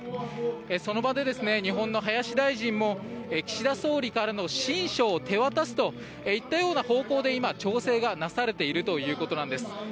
その場で日本の林大臣も岸田総理からの親書を手渡すといったような方向で今、調整がなされているということです。